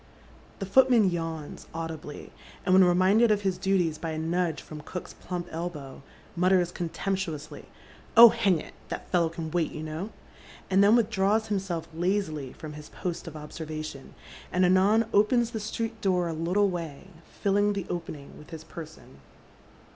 The footman yawns audibly, and when reminded ol' his duties by a nudge from cook's plump elbow, mutters con temptuously, " Oh, hang it ! that fellow can wait, you know ;" and then withdraws himself lazily from his post of observation, find anon opens the street door a little way, filling the opening with his person.